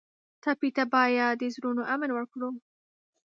ټپي ته باید د زړونو امن ورکړو.